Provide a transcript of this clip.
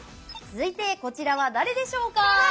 続いてこちらは誰でしょうか？